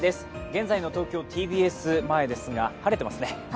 現在の東京・ＴＢＳ前ですが、晴れてますね。